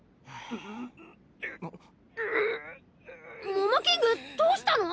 モモキングどうしたの！？